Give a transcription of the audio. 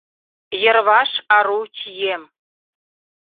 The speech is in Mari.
Йырваш ару чием.